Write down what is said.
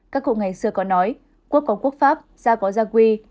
các cụ ngày xưa có nói quốc có quốc pháp ra có gia quy